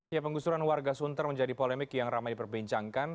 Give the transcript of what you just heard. ya penggusuran warga sunter menjadi polemik yang ramai diperbincangkan